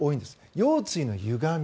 腰椎のゆがみ。